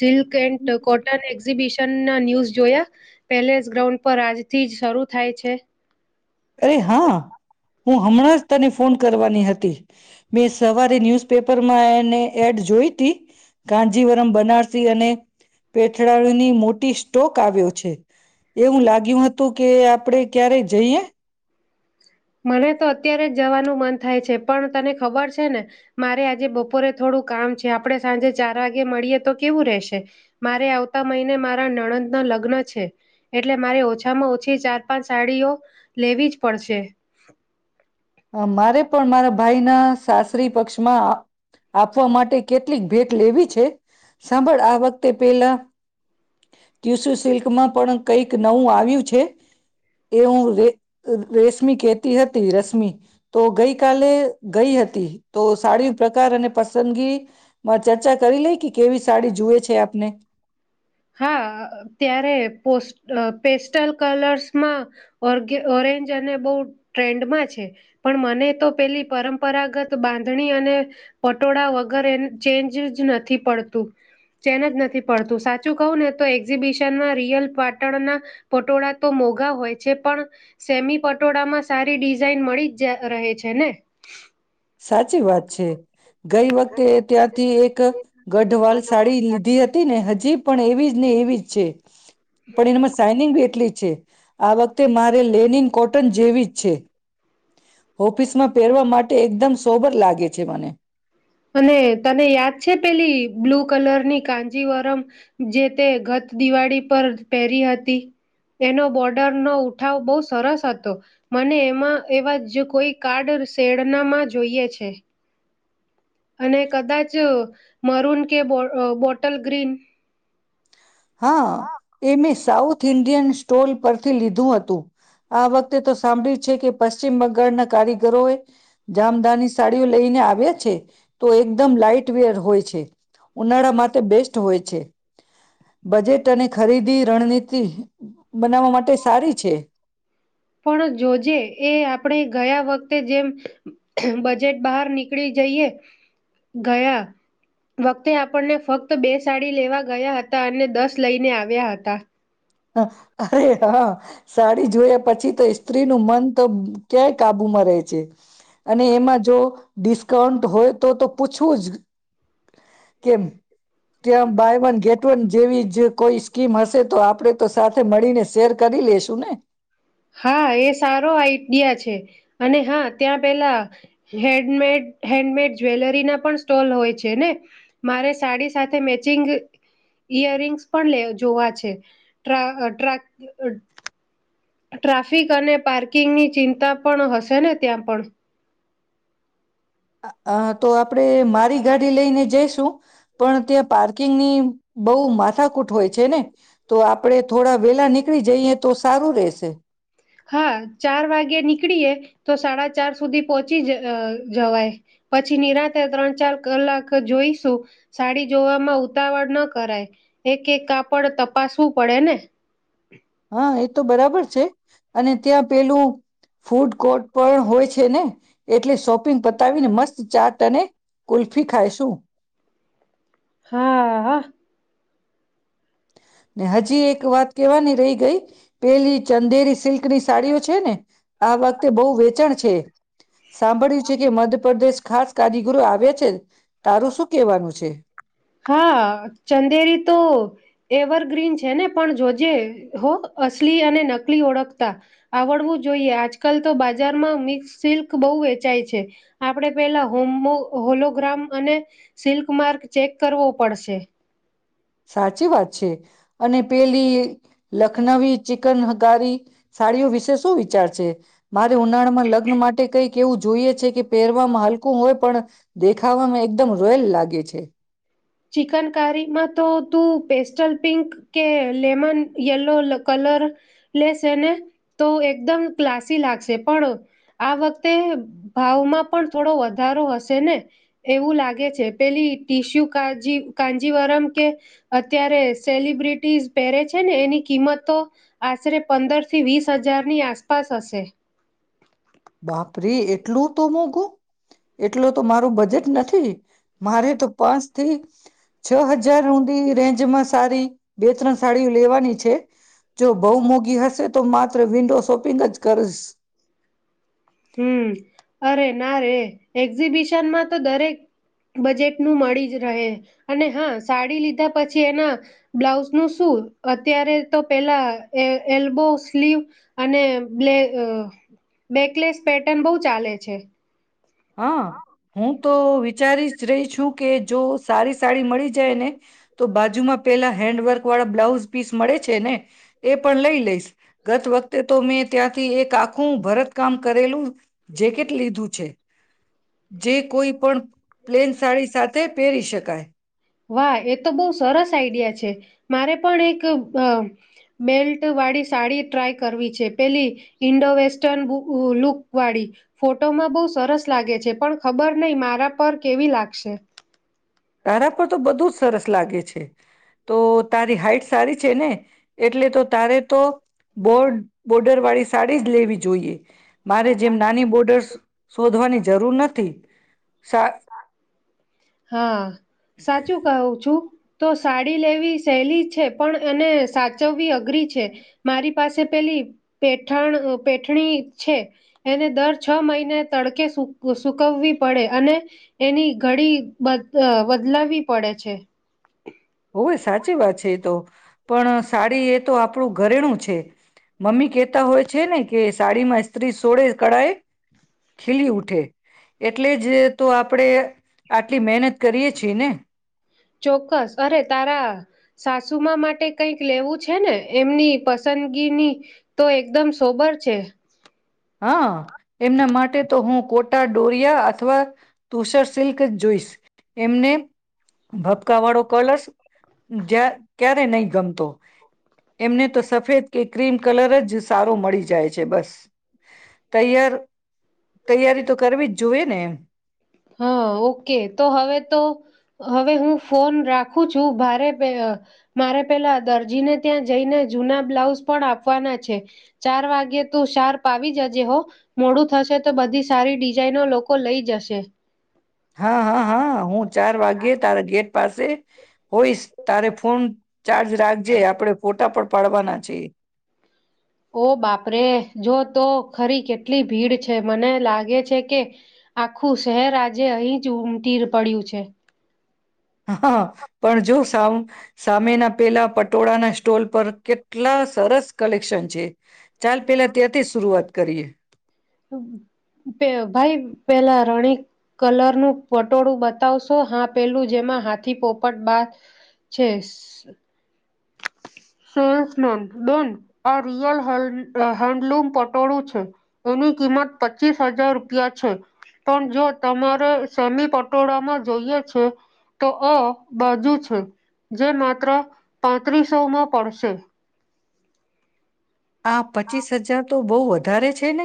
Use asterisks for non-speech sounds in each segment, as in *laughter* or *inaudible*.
Silk and cotton exhibition ના news જોયા palace ground પર આજથી જ શરૂ થાય છે અરે હા હું હમણાં જ તને ફોન કરવાની હતી મે સવારે ન્યુઝપેપર માંને એડ જોઈતી કાંજીવરામ બનારસી અને પેઠળણની મોટી સ્ટોક આવ્યો છે એવું લાગ્યું હતું કે આપડે ક્યારે જઈએ મને તો અત્યારે જ જવાનું મન થાય છે પણ તને ખબર છે ને મારે આજે બપોરે થોડું કામ છે આપડણે સાંજે ચાર વાગે મળીએ તો કેવું રહેશે મારે આવતા મહિને મારા નણંદના લગ્ન છે એટલે મારે ઓછામાં ઓછી ચાર પાંચ સાડીઓ લેવી જ પડશે *inaudible* હ મારે પણ મારા ભાઈના સાસરી પક્ષમાં આપવા માટે કેટલીક ભેટ લેવી છે સાંભળ આ વખતે પેલા ટુસુ સિલ્કમાં પણ કઈક નવું આવ્યું છે એ હું ર રેશમી કતી હતી રશ્મી તો ગઈ કલે ગઈ હતી તો સાડી પ્રકાર અને પસંદગીમાં ચર્ચા કરી લઈ કે કેવી સાડી જુએ છે આપને હા ત્યારે પો પેસ્ટલ કલર્સમાં ઓગ ઓરેન્જ અને બહુ ટ્રેન્ડમાં છે પણ મને તો પેલી પરંપરાગત બાંધણી અને પટોળા વગર ચેન્જ જ નથી પડતું ચેનજ નથી પડતું સાચું કહું ને તો એક્ઝિબિશનમાં રિયલ પાટણના પટોળા તો મોઘા હોય છે પણ સેમી પટોળામાં સારી ડિઝઇન મળી જ ત્યાં રહે છે ને? સાચી વાત છે. ગઈ વખતે ત્યાંથી એક ગઢવાલ સાડી લીધી હતી. ને હજ હજી પણ એવી જ ને એવી જ છે. પણ એનામાં સાઈનિંગ બી એટલી જ છે. આ વખતે મારે લેનિન કોટન જેવી જ છે. હોફિસમાં પહેરવા માટે એકદમ એવું જ લાગે છે મને અને તને યાદ છે પેલી બ્લૂ કલરની કાજીવરમ જ પેલી તમને યાદ છે પેલી બ્લુ કલરની કાંજીવરમ જે તે ગત દિવાળી પર જ પહેરી હતી. એનો બોર્ડરનો ઉઠાવ બહુ સરસ હતો અને મને એમાં એવા જ કોઈ એકાદ શેડ ના માં જોઈએ છે. અને કદાચ મરુન કે બો અહ બોટલ ગ્રીન હા એં મેં સાઉથ ઇન્ડિયન સ્ટોલ પરથી લીધું હતું. આ વખતે તો સાંભળ્યું છે કે પશ્ચિમ બંગાળના કારીગરો એ જામદાની સાડીઓ લઈને આવ્યા છે. તો એકદમ લાાઈટ વેટ હોય છે. ઉનાળામાં તો બેસ્ટ હોય છે. બજેટ અને ખરીદી રણનીતિ બનાવવા માટે સારી છે. પણ જો જે એ આપણે ગયા વખતે જેમ બજેટ બહાર નીકળી જઈએ. ગયા, વખતે આપણને ફક્ત બે સાડી લેવા ગયા હતા. અને દસ લઈને આવ્યા હતા. હ અરે હા સાડી જોયા પછી તો સ્ત્રી નું મન તો ક્યાય કાબુમાં રહે છે? અને એમાં જો ડિસ્કાઉન્ટ હોય તો તો પૂછવું જ કેમ? ત્યોં બાય વન ગેટ વન જેવી જ જે કોઈ સ્કીમ હશે તો આપણે તો સાથે મળીને શેર કરી લેશુ ને હા એ સારો આઈડિયા છે. અને હા ત્યાં પેલા હેન્ડમેડ હેન્ડમેડ જ્વેલરીના પણ સ્ટોલ હોય છે ને. મારે સાડી સાથે મેચિંગ ઈયરિંગ્સ પણ લે જોવા છે ટ્રાય અ ટ્રા ટ્રાફિક અને પાર્કિંગની ચિંતા પણ હશેને ત્યાં પણ અ અ તો આપણે મારી ગાડી લઈને જઈશું. પણ ત્યાં પાર્કિંગની બહુ માથાકૂટ હોય છે ને. તો આપણે થોડા વેલા નીકળી જઈએ તો સારું રહેશે. હા ચાર વાગે નીકળીયે તો સાડા ચાર સુધી પોહોંચી જ અ જવાય. પછી નિરાંતે ત્રણ ચાર કલાક જોઈશું સાડી જોવામાં ઉતાવળ ન કરાય એક એક કાપડ તપાસવું પડે ને? હા એ તો બરાબર છે અને ત્યાં પેલું ફૂડ કોર્ટ પણ હોય છે ને? એટલે શોપિંગ પતાવીને મસ્ત ચાટ અને કુલ્ફી ખાયશું. હા હ ને હજી એક વાત કેવાની રહી ગઈ પેલી ચંદેરી સિલ્ક સિલ્ક ની સાડીઓ છે ને? આ વખતે બહુ વેચાણ છે. સાંભળ્યું છે કે મધપ્રદેશ ખાસ કારીગરો આવે છે. તારું શું કેવાનું છે? હા ચંદેરી તો એવરગ્રીન છે ને. પણ જોજે હો અસલી અને નકલી ઓળખતા આવડવું જોઈએ. આજકાલ તો બાજારમાં મિક્સ સિલ્ક બહુ વેચાય છે. આપણે પેલા હોમમો હોલોગ્રામ અને સિલ્ક માર્ક ચેક કરવો પડશે. સાચી વાત છે અને પેલી લખનવી ચિકન હગારી સાડીઓ વિશે શું વિચાર છે? મારે ઉનાળામાં લગ્ન માટે કઈક એવું જોઈએ છે. કે પહેરવામાં હલકું હોય. પણ દેખાવામાં એકદમ રોયલ લાગે છે. ચિકન કારીમાં તો તું પેસ્ટલ પિંક કે લેમન યેલો કલર લેસે ને તો એકદમ ક્લાસી લાગશે. પણ આ વખતે ભાવમાં પણ થોડો વધારો હશે ને એવું લાગે છે. પેલી ટીશ્યુ કાજી કાજીવરમ કે અત્યારે સેલિબ્રિટીઝ પહેરે છે ને એની કિંમતો આશરે પંદર થી વીસ હજારની આસપાસ હશે. બાપરે એટલું તો મોઘું એટલો તો મારું બજેટ નથી મારે તો પાંચ થી છ હજાર હુથી રેન્જ જ માં સારી બે ત્રણ સાડીઓ લેવાની છે. જો બહુ મોંઘી હશે તો માત્ર વિન્ડો શોપિંગ જ કરીશ હમ અરે ના રે એક્ઝિબિશનમાં તો દરેક બજેટનું મળી જ રહે અને હા સાડી લીધા પછી એના બ્લાઉઝનું શું અત્યારે તો પેલા એ એલ્બો સ્લીવ અને બ્લે અ બેકલેસ પેટર્ન બહુ ચાલે છે. હા હું તો વિચારી જ રહી છું કે જો સારી સાડી મળી જાય ને તો બાજુમાં પેલા હેન્ડવર્ક વાળા બ્લાઉઝ પીસ મળે છે ને એ પણ લઈ લઈશ ગત વખતે તો મેં ત્યાંથી એક આખું ભરત કામ કરેલું જેકેટ લીધું છે. જે કોઈપણ પ્લેન સાડી સાથે પહેરી શકાય. વાહ એ તો બહુ સરસ આઈડિયા છે મારે પણ એક અ બેલ્ટ વાળી સાડી ટ્રાય કરવી છે પેલી ઈન્ડો વેસ્ટર્ન વુ ઊ લુક વાળી ફોટોમાં બહુ સરસ લાગે છે પણ ખબર નહી મારા પર કેવી લાગશે. તારા પર તો બધું જ સરસ લાગે છે તો તારી હાઈટ સારી છે ને એટલે તો તારે તો બોડ બોર્ડર વાળી સાડી જ લેવી જોઈએ. મારે જેમ નાની બોર્ડર્સ શોધવાની જરૂર નથી સા હા સાચુ કઉ છુ તો સાડી લેવી સહેલી છે પણ એને સાચવવી અઘરી છે મારી પાસે પેલી પેઠાણ પેઠણી છે એને દર છ મહિને તડકે સુ સુકવી પડે અને એની ઘડી બદલ અ બદલાવી પડે છે હોવે સાચી વાત છે એ તો પણ સાડી એ તો આપણું ઘરેણું છે મમ્મી કહેતા હોય છે ને કે સાડીમાં સ્ત્રી સોળે કળાએ ખીલી ઉઠે એટલે જ તો આપણેે આટલી મહેનત કરીએ છીએ ને ચોક્કસ અરે તારા સાસુમા માટે કઈક લેવું છે ને એમની પસંદગીની તો એકદમ સોબર છે હા એમના માટે તો હું કોટા ડોરિયા અથવા તુષાર સિલ્ક જોઈશ એમને ભપકા વાળો કલર્સ જ્યાં ક્યારે નહી ગમતો એમને તો સફેદ કે ક્રીમ કલર જ સારો મળી જાય છે બસ તૈયાર તૈયારી તો કરવી જ જોય ને હા ઓકે તો હવે તો હવે હું ફોન રાખું છું ભારે પેલ મારે પેલા દરજીને ત્યાં જઈને જૂના બ્લાઉઝ પણ આપવાના છે ચાર વાગ્યે તું શાર્પ આવી જજે હો મોડું થશે તો બધી સારી ડિઝાઇનો લોકો લઈ જશે હા હા હા હું ચાર વાગે તારા ગેટ પાસે હોઈશ તારે ફોન ચાર્જ રાખજે આપણે ફોટા પડ પાડવાના છે ઓ બાપરે જો તો ખરી કેટલી ભીડ છે મને લા લાગે છે કે આખું શહેર આજે અહીં જ ઉમટી પડ્યું છે હા પણ જો સામ સામેના પેલા પટોળાના સ્ટોલ પર કેટલા સરસ કલેક્શન છે ચાલ પેલા ત્યાંથી શરૂઆત કરીએ પેઉ ભાઈ પેલા રાણી કલરનું પટોળું બતાવશો હા પેલું જેમાં હાથી પોપટ બાઝ છે સેલ્સમેન બેન આ રિયલ હે હેન્ડલૂમ પટોળું છે એની કિંમત પચીસ હજાર રૂપિયા છે પણ જો તમારે સેમી પટોળામાં જોઈએ છે તો આ બાજુ છે જે માત્ર પાંત્રીસોમાં પડશે આ પચીસ હજાર તો બહુ વધારે છેને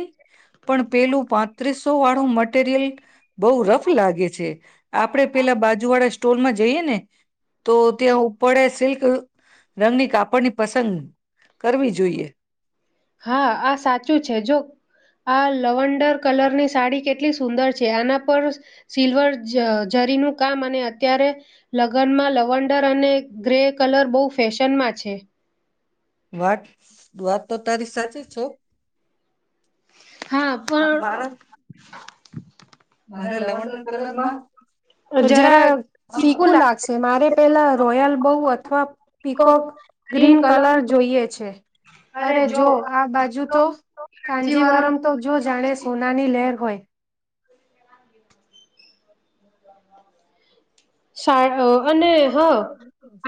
પણ પેલું પાંત્રીસો વાળું મટીરિયલ બહુ રફ લાગે છે આપડે પેલા બાજુ વાળા સ્ટોલ માં જઈએ ને તો ત્યાં ઉપડે સિલ્ક રંગની કાપડની પસંદ કરવી જોઈએ હા આ સાચું છે જો આ લવન્ડર કલરની સાડી કેટલી સુંદર છે આના પર સિલ્વર જ જરીનું કામ અને અત્યારે લગનમાં લવંડર અને ગ્રે કલર બહુ ફેશનમાં છે વાત વાત તો તારી સાચી છે હા પણ મારા મારે લવંડર લવન્ડર કલરમાં જરા ફીકું લાગશે મારે પેલા રોયલ બઉ અથવા પીકો ગ્રીન કલર જોઈએ છે અરે જો આ બાજુ તો કાંજીવરમ કાનજીવરમ તો જો જાણે સોનાની લહેર હોય હ સા અ, અને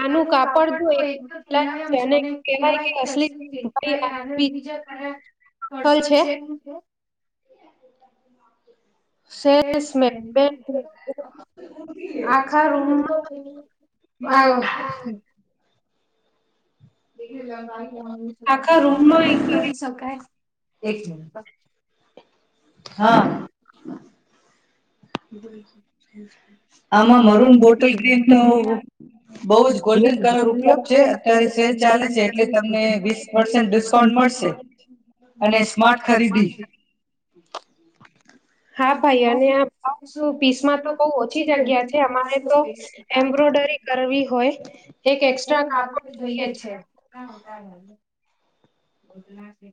આનું કાપડ કામડ જો તો એક એકદમ મુલાયમ છે અને કેવાય કે અશજી ભાઈ આના બીજા તારા ફસલ છે સેલ્સમેન બે આખા રૂમમાં આ *inaudible* આખા રૂમમાં *unintelligible* હા *unintelligible* આમાં મરૂન બોટલ ગ્રીન તો બહ જ ગોલ્ડન કલર ઉપલબ્ધ છે. અત્યારે સેલ ચાલે છે એટલે તમને વીસ પરસેન્ટ ડિસ્કાઉન્ટ મળશે. અને સ્માર્ટ ખરીદી. હા, ભાઈ અને આ પીસમાં તો બહ ઓછી જગ્યા છે અમારે તો એમ્બ્રોઈડરી કરવી હોય એક એક્સ્ટ્રા કાપડ છે. *inaudible*